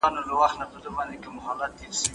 تدریسي نصاب سمدلاسه نه تطبیقیږي.